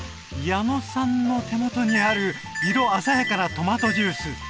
矢野さんの手元にある色鮮やかなトマトジュース